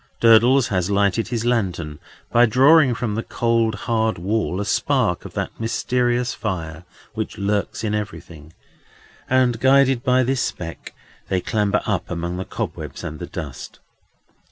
Durdles has lighted his lantern, by drawing from the cold, hard wall a spark of that mysterious fire which lurks in everything, and, guided by this speck, they clamber up among the cobwebs and the dust.